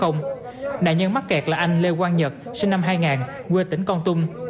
nạn nhân mắc kẹt là anh lê quang nhật sinh năm hai nghìn quê tỉnh con tung